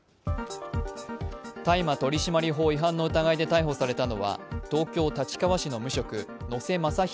大麻取締法違反の疑いで逮捕されたのは東京・立川市の無職野瀬雅大